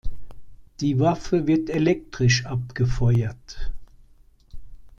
Die Waffe wird elektrisch abgefeuert.